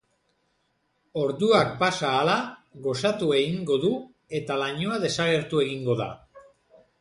Orduak pasa ahala, goxatu egingo du eta lainoa desagertu egingo da.